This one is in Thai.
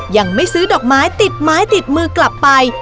ยังไม่ซื้อดอกไม้ติดไม้ติดมือกลับไป